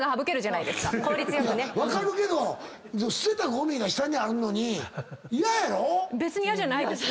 分かるけど捨てたごみが下にあるのに嫌やろ⁉別に嫌じゃないです。